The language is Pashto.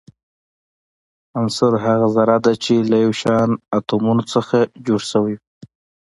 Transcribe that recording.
عنصر هغه ذره ده چي له يو شان اتومونو څخه جوړ سوی وي.